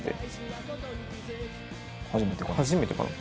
初めてかな？